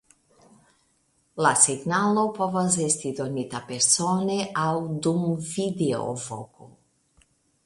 La signalo povas esti donita persone aŭ dum videovoko.